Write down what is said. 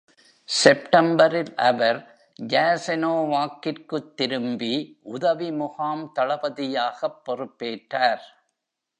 செப்டம்பரில், அவர் ஜாசெனோவாக்கிற்குத் திரும்பி உதவி-முகாம் தளபதியாகப் பொறுப்பேற்றார்.